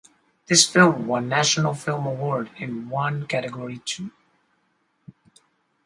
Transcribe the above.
This film won National Film Award in one category too.